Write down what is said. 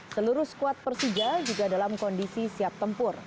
seluruh squad persija juga dalam kondisi siap tempur